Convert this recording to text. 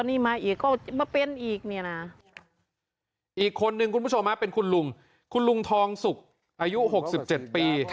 อีกคนนึงคุณผู้ชมเป็นคุณลุงคุณลุงทองสุกอายุ๖๗ปี